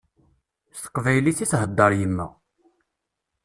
S teqbaylit i theddeṛ yemma.